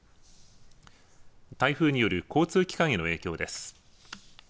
台風による交通機関への影響です。